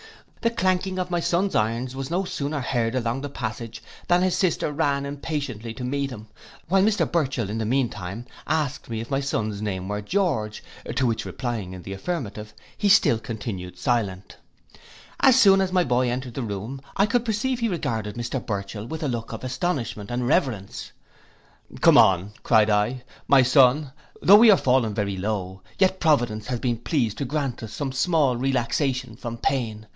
The clanking of my son's irons was no sooner heard along the passage, than his sister ran impatiently to meet him; while Mr Burchell, in the mean time, asked me if my son's name were George, to which replying in the affirmative, he still continued silent. As soon as my boy entered the room, I could perceive he regarded Mr Burchell with a look of astonishment and reverence. 'Come on,' cried I, 'my son, though we are fallen very low, yet providence has been pleased to grant us some small relaxation from pain.